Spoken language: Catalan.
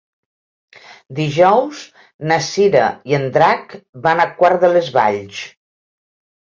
Dijous na Cira i en Drac van a Quart de les Valls.